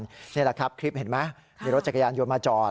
นี่แหละครับคลิปเห็นไหมมีรถจักรยานยนต์มาจอด